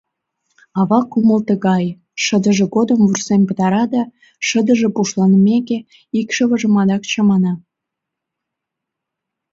Ава кумыл тыгае: шыдыже годым вурсен пытара да, шыдыже пушланымеке, икшывыжым адак чамана.